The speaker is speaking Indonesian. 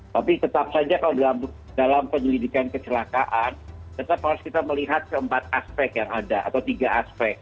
tapi tetap saja kalau dalam penyelidikan kecelakaan tetap harus kita melihat keempat aspek yang ada atau tiga aspek